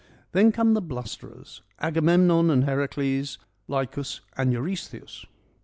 Then come the blusterers : Agamemnon and Heracles, Lycus and Eurystheus.